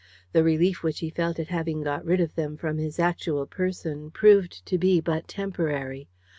The relief which he felt at having got rid of them from his actual person proved to be but temporary.